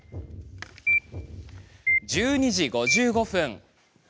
１２時５５分。